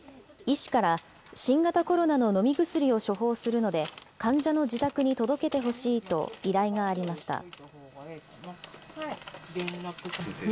医師から、新型コロナの飲み薬を処方するので、患者の自宅に届けてほしいと依頼がありました。